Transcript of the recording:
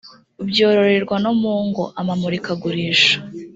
byororerwa no mu ngo amamurikagurisha